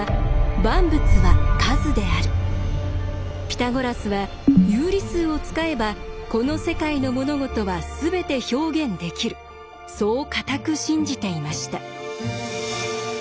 ピタゴラスは有理数を使えばこの世界の物事はすべて表現できるそう固く信じていました。